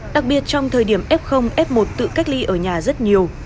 đặc biệt trong thời điểm f f một tự cách ly ở nhà rất nhiều